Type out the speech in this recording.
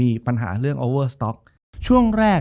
จบการโรงแรมจบการโรงแรม